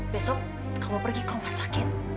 besok kamu pergi koma sakit